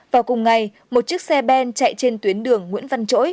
vào cùng ngày một chiếc xe ben chạy trên tuyến đường nguyễn văn trỗi